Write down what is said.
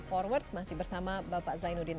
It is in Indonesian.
forward masih bersama bapak zainuddin